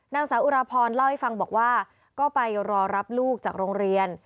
นางสาวอุรพรเล่าให้ฟังบอกว่าก็ไปรอรับลูกจากโรงเรียน